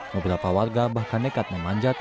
beberapa warga bahkan nekat memanjat